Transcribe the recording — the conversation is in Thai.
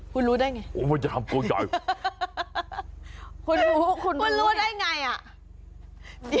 คุณรู้ได้ไง